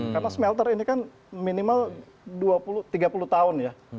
karena smelter ini kan minimal tiga puluh tahun ya